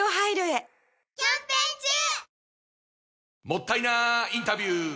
もったいなインタビュー！